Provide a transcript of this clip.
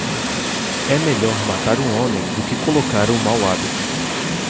É melhor matar um homem do que colocar um mau hábito.